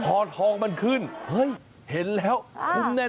พอทองมันขึ้นเฮ้ยเห็นแล้วคุ้มแน่น